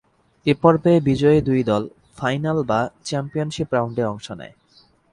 এ পর্বে বিজয়ী দুই দল ফাইনাল বা চ্যাম্পিয়নশীপ রাউন্ডে অংশ নেয়।